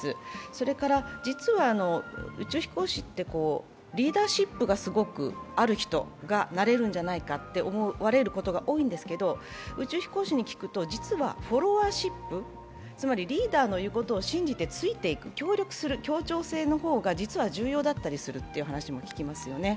それから実は宇宙飛行士ってリーダーシップがすごくある人がなれるんじゃないかと思われることが多いんですけど、宇宙飛行士に聞くと、実はフォロワーシップ、つまりリーダーの言うことを信じてついていく、協力する協調性の方が実は重要だったりするって話を聞きますよね。